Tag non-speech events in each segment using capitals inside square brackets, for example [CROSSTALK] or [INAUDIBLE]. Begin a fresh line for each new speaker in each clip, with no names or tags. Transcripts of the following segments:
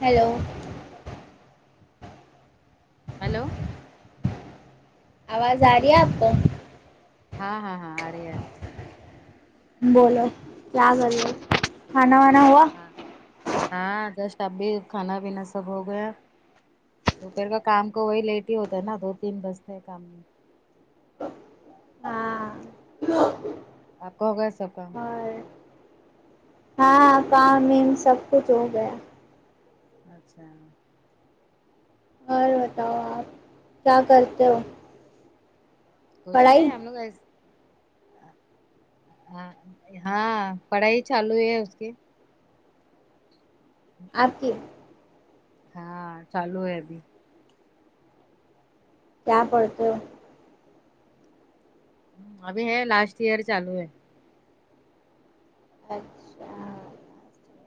Hello
hello
آواز آ رہی ہے آپ کو
ہاں ہاں ہاں آرہی ہے
بولو کیا کریے کھانا وانا ہوا
ہاں ہاں جسٹ اب بھی کھانا پینا سب ہو گیا دوپہر کا کام کا وہی لیٹ ہی ہوتا ہے نا دو تین بجتے ہیں کام میں
ہاں
آپ کا ہوگیا سب کام
اور ہاں کامم سب کچھ ہو گیا
اچھا
اور بتاؤ آپ کیا کرتے ہو
کچھ
پڑھائی
نہیں ہم لوگ ایس ہاں ہاں پڑھائی چالو ہے اس کی
آپ کی
ہاں چالو ہے ابھی
کیا پڑھتے ہو
ابھی ہے لاسٹ ایئر چالو ہے
اچھا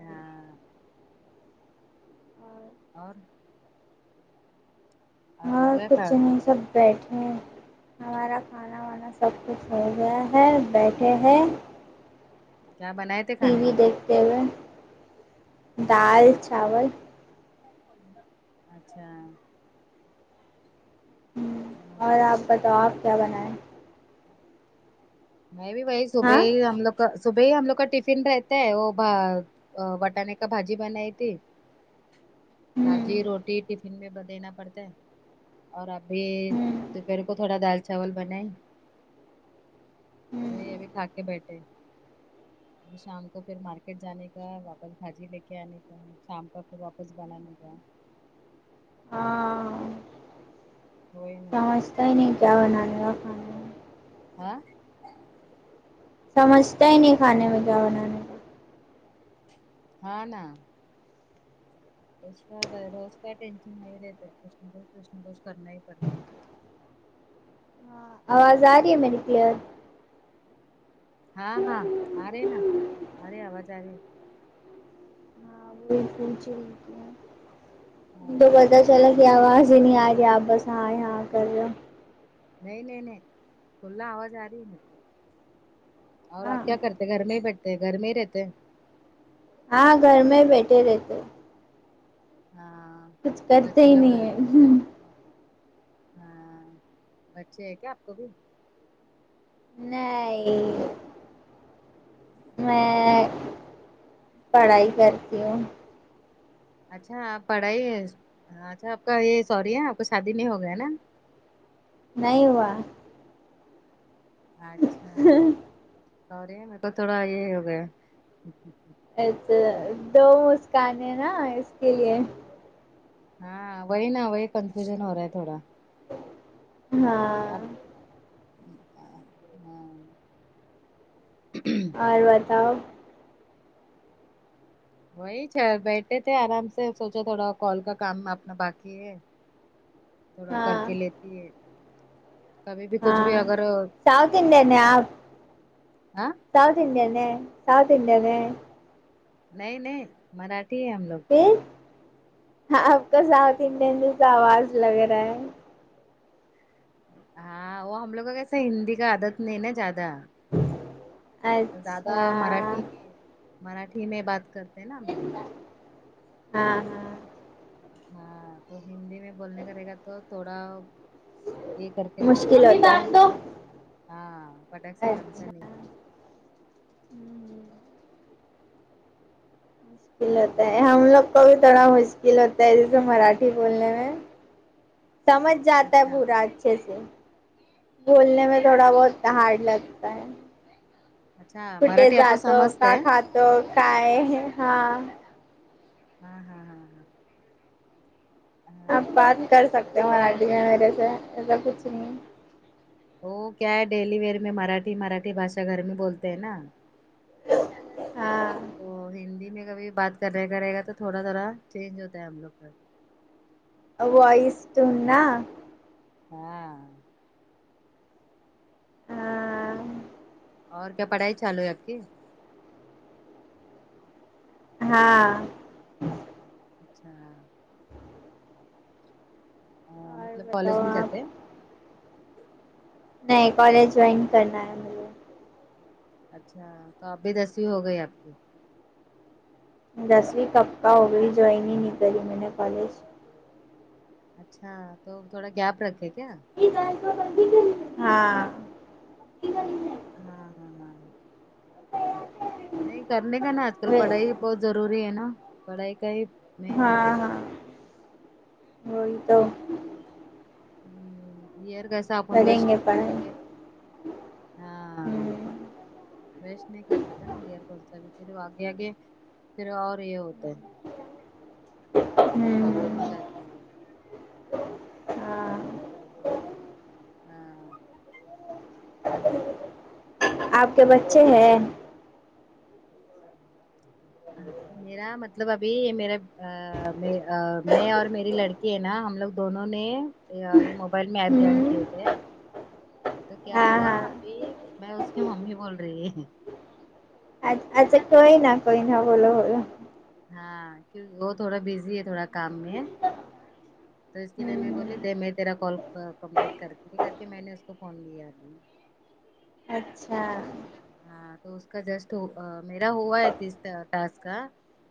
ہاں اور ہو
اور
گیا تھا
کچھ نہیں سب بیٹھے ہمارا کھانا وانا سب کچھ ہو گیا ہے بیٹھے ہیں
کیا بنائے تھے
ٹی
کھانے
وی
میں
دیکھتے ہوئے دال چاول
اچھا
اور آپ بتاؤ آپ کیا بنائیں
میں بھی وہی
ہاں
صبح ہی ہم لوگ کا صبح ہی ہم لوگ کا ٹفن رہتا ہے وہ وٹانے کا بھاجی بنائی تھی بھاجی
ہوں
روٹی ٹی فن میں دینا پڑتا ہے اور ابھی
ہوں
دوپھر کو تھوڑا دال چاول بنائی وہ
ہوں
یہ ابھی کھا کے بیٹھے ابھی شام کو پھر مارکیٹ جانے کا واپس بھاجی لے کے آنے کا شام کا پھر واپس بنانے کا
ہاں
ہوئی نا
سمجھتا ہی نہیں کیا بنانے کا تھا
ہاں
سمجھتا ہی نہیں کھانے میں کیا بنانا
ہاں نا ایشا روز کا ٹینشن نہیں رہتا ہے کچھ نہ کچھ کچھ نہ کچھ کرنا ہی پڑتا ہے
ہاں آواز آ رہی ہے میری کلیئر
ہاں ہاں آ رہے نا آ رہے آواز آ رہی ہے
ہاں تو
ہاں
پتہ چلا کہ آواز جے نہیں آ رہی آپ بس اں ہیں ہاں کر رہے ہو جو
نہیں نہیں نہیں کھلا آواز آ رہی ہے میرے کو اور
ہاں
آپ کیا کرتے گھرمیں ہی بیٹھتے ہے گھرمیں ہی رہتے ہے
ہاں گھر میں ہی بیٹھے رہتے
ہاں
کچھ کرتے
بچے
ہی
لوگ رہ
نہیں ہے
ہاں بچے ہیں کیا آپ کو بھی
نہیں میں پڑھائی کرتی ہوں
اچھا اپ پڑھائی اچھا آپ کا یہ سوری ہاں آپ کو شادی نہیں ہوگیا ہے نا
نہیں ہوا
اچھا اور یہ میں تو تھوڑا یہ ہو گیا
اچھا دو مسکانیں نا اس کے لیے
ہاں وہی نا وہی کنفیوزن ہو رہا ہے تھوڑا
ہاں
اب ہاں
اور بتاؤ
وہی چہ بیٹھے تھے آرام سے سوچا تھوڑا کال کا کام اپنا باقی ہے تھوڑا کر
ہاں
کے لیتی ہے کبھی بھی کچھ بھی
ہاں
اگر
ساؤتھ انڈین ہے
کام
آپ
آں
ساؤتھ انڈین نے ساؤتھ انڈین نے
نہیں نہیں مراٹھی ہے ہم لوگ
تو آپ کا ساؤتھ انڈین جیسا آواز لگ رہا ہے
ہاں وہ ہم لوگ کا کیسے ہندی کا عادت نہیں ہے نا زیادہ زیادہ
اچھا
مراٹھی مراٹھی میں بات کرتے ہیں نا ہم لوگ
ہاں ہاں
ہاں تو ہندی میں بولنے کا رہے گا تو تھوڑا یہ کر کے بولنا
مشکل
پڑتا ہے
ہوتا
ان ہاں پٹخ سے جمتا
اچھا
نہیں اور
مشکل ہوتا ہے
ہاں
ہم لوگ کو بھی تھوڑا مشکل ہوتا ہے جیسے مراٹھی بولنے میں
[INAUDIBLE]
سمجھ جاتا ہے
اچھا
پورا اچھے سے بھولنے میں تھوڑا بہت ہارڈ لگتا ہے
اچھا
پھر بے
مراٹھی آپ
زا
کو
تو
سمجھتے
کیا
ہے
کھاتے ہو کیا ہے ہاں
ہاں ہاں ہاں ہاں
آپ
ہاں
بات کر سکتے ہو مراٹھی میں میرے سے ایسا کچھ نہیں
وہ کیا ہے ڈیلی ویئر میں مراٹھی مراٹھی بھاشا گھر میں بولتے ہیں نا
ہاں
وہ ہندی میں کبھی بات سنے کرے گا تو تھوڑا ذرا چینج ہوتا ہے ہم لوگ کا
آ وائس ٹون نہ
[INAUDIBLE]
ہاں
اور کیا پڑھائی چالو ہے آپ کی
ہاں
اچھا آ
اور
مطلب کالج
بتاؤ
میں جاتے
آپ نہیں کالج جائین کرنا ہے مجھے
اچھا تو اب بھی دسوی ہو گئی آپ کی
دسوی کب کا ہوگئی جائین نہیں کری میں نے کالج
اچھا تو تھوڑا گیپ رکھے کیا
ہاں [UNINTELLIGIBLE]
ہاں ہاں ہاں نہیں کرنے کا نا آج کل پڑھائی بہت ضروری ہے نا پڑھائی کا ہی مین ہے
ہاں
پہلا
ہاں وہی تو
ائیر کیسا اپن
کریں
ویسٹ
گے
کریں
پڑھائی
گے ہاں
ہوں
ویسٹ نہیں کرنے کا نا ائیر کون سا بھی پھر آگے آگے پھر اور یہ ہوتا ہے پرابلم ہو
ہوں
جاتی ہے
ہاں
ہاں
[UNINTELLIGIBLE] آپ کے بچے ہیں
ہاں میرا مطلب ابھی میرا میں آ میں اور میری لڑکی ہے نا ہم لوگ دونوں نے ہاں یہ موبائل میں ایپ جوائن کیے
ہوں
تھے تو کیا
ہاں
ہوا
ہاں
ابھی میں اس کی ممی بول رہی ہوں
اچھا کئی نا کئی نا بولو ہولا
ہاں کیو وہ تھوڑا بزی ہے تھوڑا کام میں تو اس کے لیے میں بولی
ہ
دے میں تیرا کال کمپلیٹ کرتی کر کے میں نے اس کو فون لیا
اچھا
ہاں تو اس کا جسٹ میرا ہوا ہے تیس آ ٹاسک کا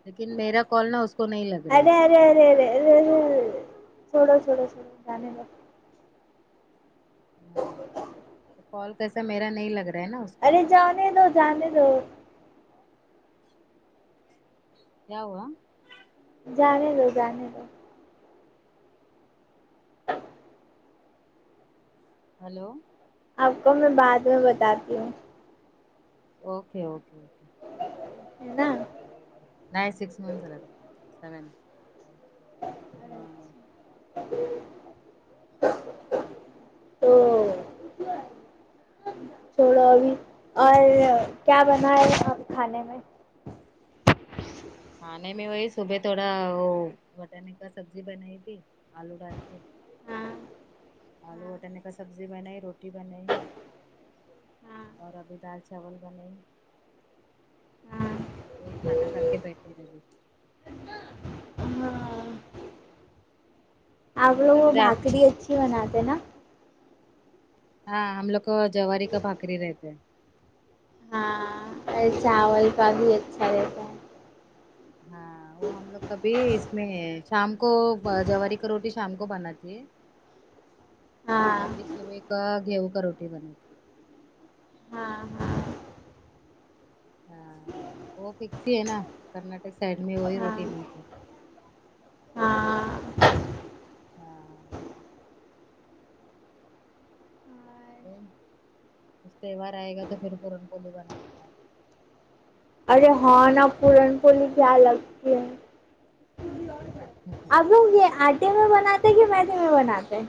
لیکن میرا کال نہ اس کو نہیں لگ رہا ہے
ارے ارے ارے ارے ارے ارے ارے چھوڑو چھوڑو چھوڑو جانے دو
ہاں تو کال کیسا میرا نہیں لگ رہا ہے نا کو
ارے جانے دو جانے دو
کیا ہوا
جانے دو جانے دو
ہلو
آپ کو میں بعد میں بتاتی ہوں
اوکے اوکے اوکے
نا نا
نہیں سکس میں چل سیوین ہاں
[UNINTELLIGIBLE]
[UNINTELLIGIBLE]
تو تھوڑا اور بھی اور کیا بنا ہے کہ کھانے میں
کھانے میں وہی صبح تھوڑا وہ مٹن کا سبزی بنائی تھی آلو ڈال کے
ہاں
آلو بٹانے کا سبزی بنائی روٹی بنائی اور ابھی دال چاول بنائی تو ہی کھانا کھا کے بیٹھے ہیں میں بھی
آپ
ہم
لوگ وہ
کیسے
بھاکری اچھی بناتے ہیں نا
ہاں ہم لوگ کو جواری کا بھاکری رہتے ہیں
ہاں چاول کا بھی اچھا ہے
ہاں وہ ہم لوگ کبھی اس میں ہے شام کو جواری کا روٹی شام کو بناتی ہے اور
ہاں
ابھی صبح کا گیہوں کا روٹی بناتی ہے
ہاں ہاں
ہاں وہ فکس ہی ہے نا کرناٹک سائڈ میں وہی
ہاں
روٹی ملتی
ہاں ہاں
ہاں اس تہوار آئے گا تو پھر پورن پلی بنانے کا
ارے ہاں نا پورن پولی کیا لگتی ہے اب
کا
لوگ یہ آٹے میں بناتے ہیں کہ میدے میں بناتے ہیں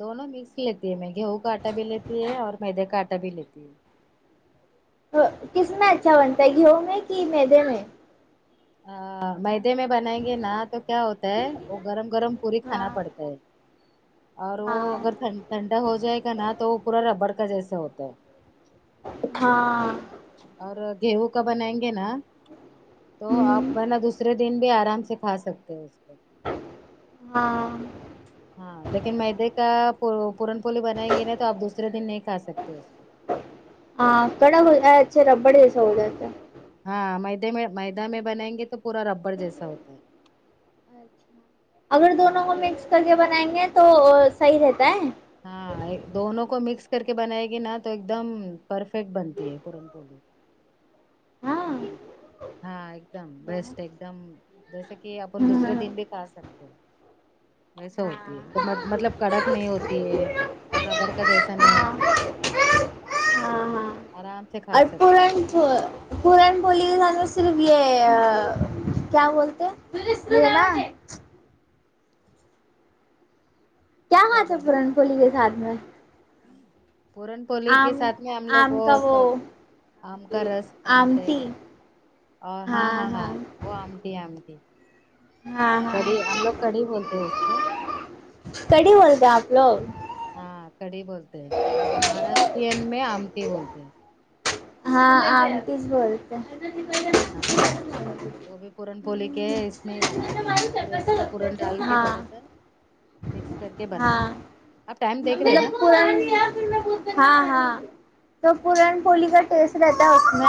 دونوں مکس لیتی ہے میں گیہوں کا آٹا بھی لیتی ہے اور میدے کا آٹا بھی لیتی ہے
ہیں؟ کس میں اچھا بنتا ہے گیہوں میں کہ میدے میں
مدے میں بنائیں گے نا تو کیا ہوتا ہے وہ گرم گرم پوری کھانا
ہاں
پڑتا ہے اور وہ
ہاں
اگر ٹھنڈا ہو جائے گا نا تو وہ پورا ربڑ کا جیسا ہوتا ہے
ہاں
اور گیہوں کا بنائیں گے نا تو آپ
ہوں
بنا دوسرے دن بھی آرام سے کھا سکتے ہو اس کو
ہاں
ہاں لیکن میدے کا پورن پولی بنائیں گے نا تو آپ دوسرے دن نہیں کھا سکتے اس کو
ہاں کڑک اچھے ربڑ جیسا ہوا گیا
ہاں میدے میں میدہ میں بنائیں گے تو پورا ربر جیسا ہوتا ہے
اگر دونوں
ہاں
کو
تو
مکس کر کے بنائیں گے تو صحیح رہتا ہے
ہاں دونوں کو مکس کر کے بنائے گی نا تو ایک دم پرفیکٹ بنتی ہے پورن پلی
ہاں
ہوں ہاں ایک دم بیسٹ ایک دم جیسے کہ اپن دوسرے
ہاں
دن بھی کھا سکتے ایسا
ہاں
ہوتی ہے ایک مطلب کڑک نہیں ہوتی اور ربڑ کا جیسا نہیں ہوتی ہے آرام سے کھا سکتے ہیں
تو بولی صرف یہ کیا بولتے یہ نا کیا بات ہے
بول رہے ہیں
پورن پولی کے ساتھ میں
پورن پلی کے
آم
ساتھ میں ہم لوگ
آم
وہ
کا
آم کا رس بناتے
آمٹی
ہیں اور ہاں ہاں ہاں وہ آمٹی آٹی
ہاں ہاں
کڑھی ہم لوگ کڑھی بولتے ہیں اس کو
کڑھی بولتے ہیں آپ لوگ
ہاں کڑی بولتے ہیں اور مہاراشٹرین میں آمٹی بولتے ہیں
ہاں آنٹیز بولتے ہیں
ہاں ہاں ہاں وہ بھی پورن پولی کے اس میں ہی بناتے ہیں پھر اس کو پورن ڈال کے تھوڑا
ہاں
سا مکس کر کے
ہاں
بناتے آپ
[INAUDIBLE]
ٹائم دیکھ رہے ہیں نا
ہاں ہاں تو پورن پولی کا ٹیسٹ رہتا ہے اس میں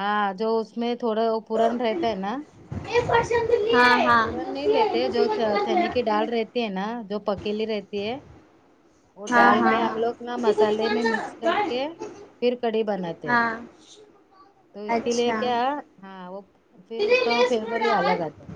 ہاں جو اس میں تھوڑا وہ پورن رہتا ہے نا
ہاں ہاں
پورن نہیں لیتے ہیں جو چا چنے کی ڈال رہتی ہے نا جو پکیلی رہتی ہے وہ
ہاں
ڈال میں
ہاں
ہم لوگ نا مسالے میں مکس کر
ہاں
کے پھر کڑی بناتے ہیں
ہاں
تو اس کے لیے
اچھا
کیا ہاں وہ پھر اس کا وہ فیور ہی الگ آتا ہے